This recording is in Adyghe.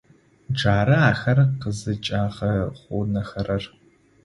Джары ахэр къызыкӏагъэгъунэхэрэр.